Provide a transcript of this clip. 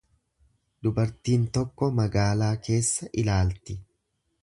Dubartiin tokko magaalaa keessa ilaalti.